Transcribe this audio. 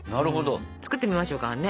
作ってみましょうかね？